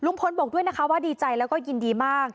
บอกด้วยนะคะว่าดีใจแล้วก็ยินดีมาก